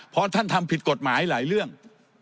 เพราะท่านทำผิดกฎหมายหลายเรื่อง